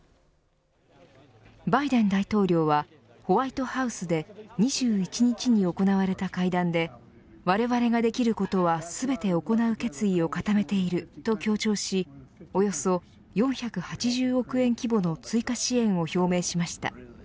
バイデン大統領はホワイトハウスで２１日に行われた会談でわれわれができることは全て行う決意を固めていると強調しおよそ４８０億円規模の追加支援を表明しました。